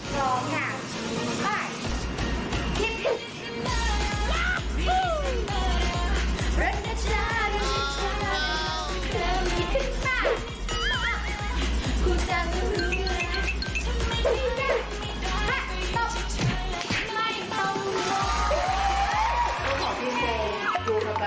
สวัสดีครับมาเจอกับแฟแล้วนะครับ